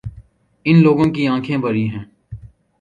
اِن لوگوں کی آنکھیں بڑی ہیں